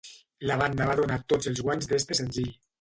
La banda va donar tots els guanys d'este senzill.